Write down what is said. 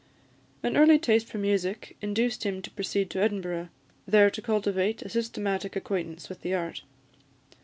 An early taste for music induced him to proceed to Edinburgh, there to cultivate a systematic acquaintance with the art.